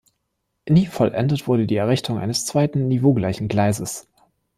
Nie vollendet wurde die Errichtung eines zweiten, niveaugleichen Gleises.